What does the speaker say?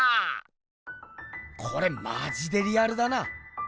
これマジでリアルだな！